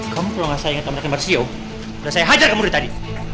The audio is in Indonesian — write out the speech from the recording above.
kamu kalau gak sayangin sama dakin marsio udah saya hajar kamu dari tadi